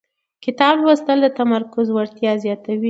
کتاب لوستل د تمرکز وړتیا زیاتوي